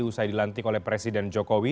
usai dilantik oleh presiden jokowi